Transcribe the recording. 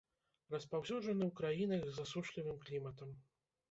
Распаўсюджаны ў краінах з засушлівым кліматам.